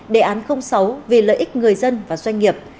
đề án sáu vì lợi ích người dân và doanh nghiệp